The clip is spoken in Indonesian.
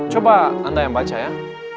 coba anda yang baca ya